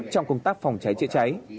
trong công tác phòng cháy cháy cháy